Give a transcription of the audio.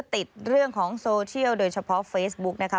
ติดเรื่องของโซเชียลโดยเฉพาะเฟซบุ๊กนะคะ